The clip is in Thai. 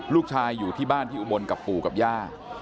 ลูกชายอยู่ที่บ้านที่อุบลกับปู่กับย่า